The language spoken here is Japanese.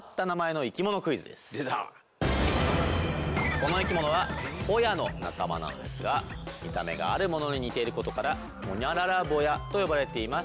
この生き物はホヤの仲間なんですが見た目があるものに似ていることからほにゃららボヤと呼ばれています。